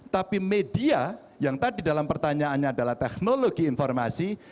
tapi media yang tadi dalam pertanyaannya adalah teknologi informasi